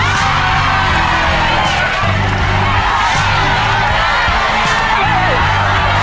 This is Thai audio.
อีกที่มีให้สูญญาณอาจอดขานอกเทือนเทือน